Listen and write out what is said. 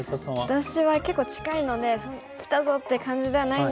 私は結構近いので来たぞっていう感じではないんですけど。